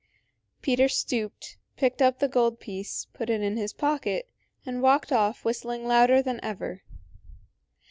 Peter stooped, picked up the gold piece, put it in his pocket, and walked off whistling louder than ever.